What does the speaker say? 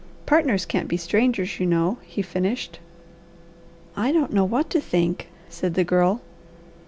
Partners can't be strangers, you know," he finished. "I don't know what to think," said the Girl.